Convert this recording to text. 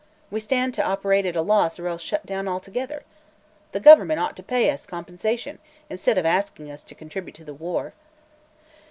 We stand to operate at a loss or else shut down altogether. The government ought to pay us compensation, instead of asking us to contribute to the war."